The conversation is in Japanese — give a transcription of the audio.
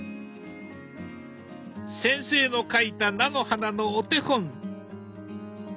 先生の描いた菜の花のお手本。